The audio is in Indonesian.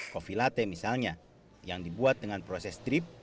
kopi latte misalnya yang dibuat dengan proses drip